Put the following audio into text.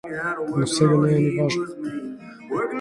Но сега не е ни важно.